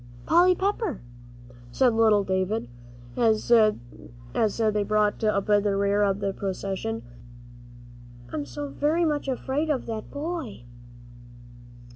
"Polly," said little David, as they brought up the rear of the procession, "I am so very much afraid of that boy."